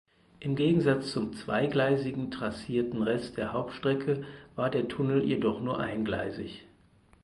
Im Gegensatz zum zweigleisig trassierten Rest der Hauptstrecke war der Tunnel jedoch nur eingleisig.